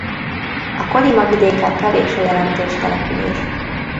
A Kolima-vidéken kevés a jelentős település.